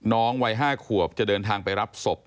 วัย๕ขวบจะเดินทางไปรับศพ